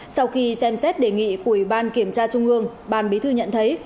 sau khi xem xét đề nghị của ủy ban kiểm tra trung ương ban bí thư nhận thấy